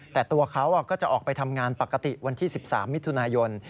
แต่ตัวเขาก็จะออกไปทำงานปกติวันที่๑๓มิถุนายน